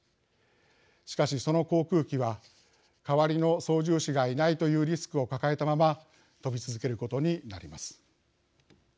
しかしその航空機は代わりの操縦士がいないというリスクを抱えたまま飛び続けることになります。